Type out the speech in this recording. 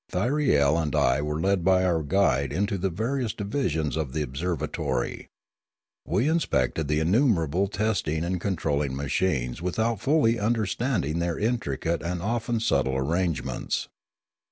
Thyriel and I were led by our guide into the various divisions of the observatory. We inspected the innumerable testing and controlling machines without fully understanding their intricate and often subtle arrangements.